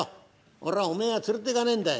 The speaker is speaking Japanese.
俺はお前は連れてかねえんだよ。